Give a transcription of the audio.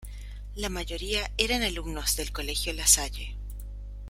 La mayoría eran alumnos del Colegio "La Salle".